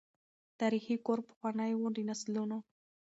تاریخي کور پخوانی وو د نسلونو